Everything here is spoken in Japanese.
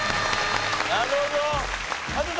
なるほど。